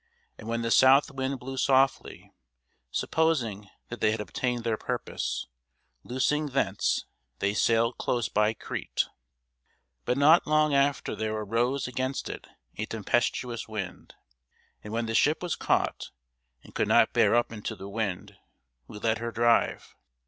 And when the south wind blew softly, supposing that they had obtained their purpose, loosing thence, they sailed close by Crete. [Sidenote: The Acts 27] But not long after there arose against it a tempestuous wind. And when the ship was caught, and could not bear up into the wind, we let her drive.